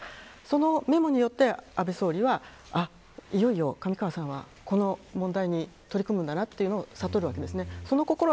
そのメモによって安倍総理はいよいよ上川さんはこの問題に取り組むんだなということを悟ります。